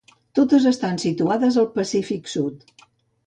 Totes estan situades al Pacífic sud.